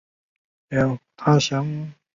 车底国流域。